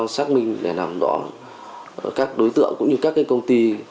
xác minh để làm rõ các đối tượng cũng như các công ty